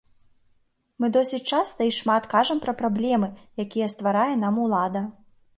Мы досыць часта і шмат кажам пра праблемы, якія стварае нам улада.